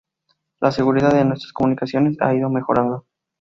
la seguridad en nuestras comunicaciones ha ido mejorando